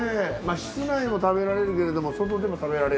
室内も食べられるけれども外でも食べられると。